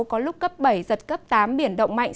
có lúc cấp bảy giật cấp tám biển động mạnh